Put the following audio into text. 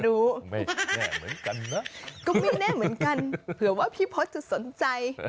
ก็ไม่แน่เหมือนกันเผื่อว่าพี่พอสจะสนใจ